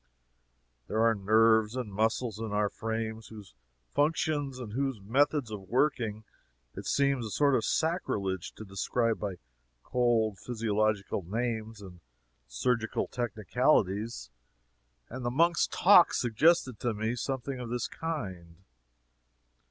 There are nerves and muscles in our frames whose functions and whose methods of working it seems a sort of sacrilege to describe by cold physiological names and surgical technicalities, and the monk's talk suggested to me something of this kind.